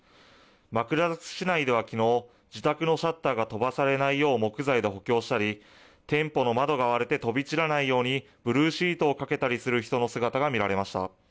枕崎市内ではきのう、自宅のシャッターが飛ばされないよう木材で補強したり、店舗の窓が割れて飛び散らないように、ブルーシートをかけたりする人の姿が見られました。